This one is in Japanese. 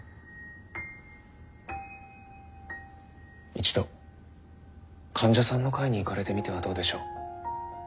一度患者さんの会に行かれてみてはどうでしょう？